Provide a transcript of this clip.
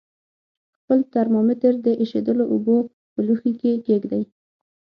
خپل ترمامتر د ایشېدلو اوبو په لوښي کې کیږدئ.